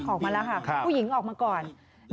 ออกมาแล้วค่ะผู้หญิงออกมาก่อน